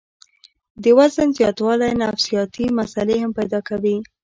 د وزن زياتوالے نفسياتي مسئلې هم پېدا کوي